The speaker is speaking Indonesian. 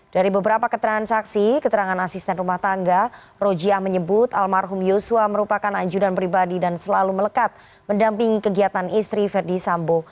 dari beberapa keterangan saksi keterangan asisten rumah tangga rojiah menyebut almarhum yosua merupakan anjuran pribadi dan selalu melekat mendampingi kegiatan istri verdi sambo